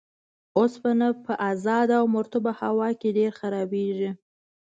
اوسپنه په ازاده او مرطوبه هوا کې ډیر خرابیږي.